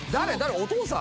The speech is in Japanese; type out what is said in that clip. お父さん？